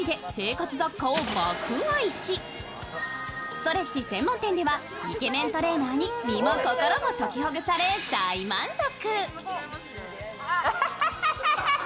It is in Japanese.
ストレッチ専門店では、イケメントレーナーに身も心もときほぐされ大満足。